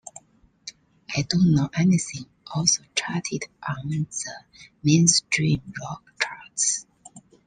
"I Don't Know Anything" also charted on the Mainstream Rock charts.